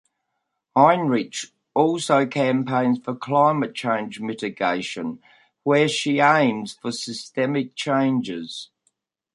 Heinrich also campaigns for climate change mitigation where she aims for systemic changes.